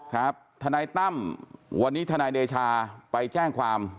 ครับฐานายตั้มวันนี้ฐานายเดชาไปแจ้งความ